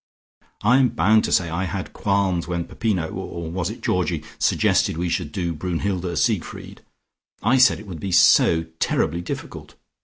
I am bound to say I had qualms when Peppino or was it Georgie suggested we should do Brunnhilde Siegfried. I said it would be so terribly difficult.